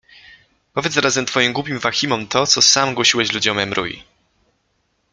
Powiedz zarazem twoim głupim Wahimom to, co sam głosiłeś ludziom M’Ruy.